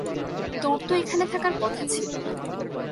তোর তো এখানে থাকার কথা ছিলো না।